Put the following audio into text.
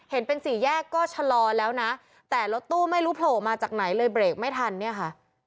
เห็นเป็นสี่แยกก็ชะลอแล้วนะแต่รถตู้ไม่รู้โผล่มาจากไหนเลยเบรกไม่ทันเนี่ยค่ะ